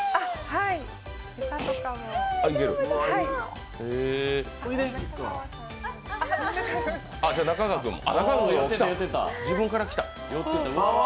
はい自分から来た。